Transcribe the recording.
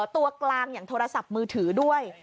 ตัวกลางอย่างโทรศัพท์มือถือด้วย